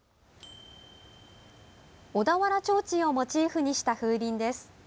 小田原ちょうちんをモチーフにした風鈴です。